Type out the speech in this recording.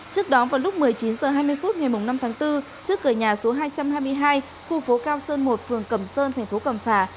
trước đó vào lúc một mươi chín h hai mươi phút ngày năm tháng bốn trước cửa nhà số hai trăm hai mươi hai khu phố cao sơn một phường cẩm sơn thành phố cẩm phả